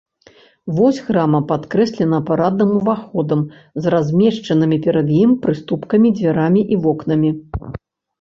Вось храма падкрэслена парадным уваходам з размешчанымі перад ім прыступкамі, дзвярамі і вокнамі.